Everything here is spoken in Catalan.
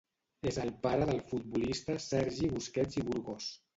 És el pare del futbolista Sergi Busquets i Burgos.